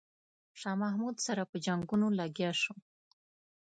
شاه محمود سره په جنګونو لګیا شو.